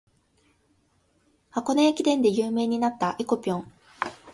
箱根駅伝で有名になった「えこぴょん」